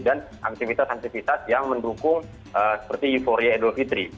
dan aktivitas aktivitas yang mendukung seperti euforia idul fitri